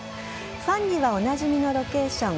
ファンにはおなじみのロケーション